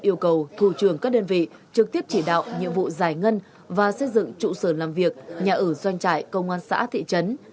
yêu cầu thủ trưởng các đơn vị trực tiếp chỉ đạo nhiệm vụ giải ngân và xây dựng trụ sở làm việc nhà ở doanh trại công an xã thị trấn